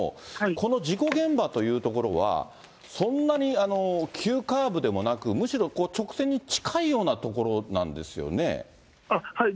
この事故現場という所は、そんなに急カーブでもなく、むしろ直線に近いような所なんですよはい、